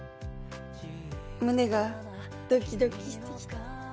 胸がドキドキしてきて。